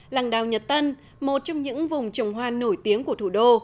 làng đào nhật tân một trong những vùng trồng hoa nổi tiếng của thủ đô